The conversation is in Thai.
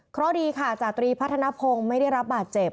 เพราะดีค่ะจาตรีพัฒนภงไม่ได้รับบาดเจ็บ